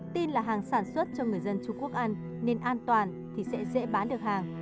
tin là hàng sản xuất cho người dân trung quốc ăn nên an toàn thì sẽ dễ bán được hàng